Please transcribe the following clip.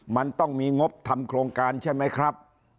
มันต้องมีงบทำโครงการใช่ไหมครับ